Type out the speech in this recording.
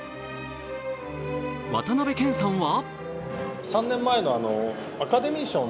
渡辺謙さんは？